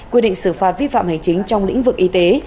quy định xử phạt vi phạm hành chính trong lĩnh vực y tế